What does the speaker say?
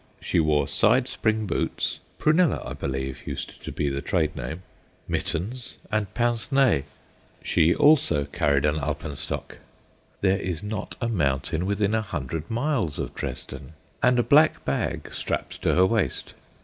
She wore side spring boots "prunella," I believe, used to be the trade name mittens, and pince nez. She also carried an alpenstock (there is not a mountain within a hundred miles of Dresden) and a black bag strapped to her waist.